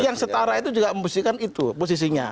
yang setara itu juga membuktikan itu posisinya